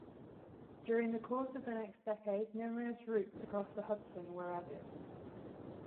During the course of the next decade numerous routes across the Hudson were added.